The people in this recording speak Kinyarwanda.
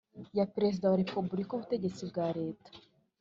ya Perezida wa Repubulika ubutegetsi bwa leta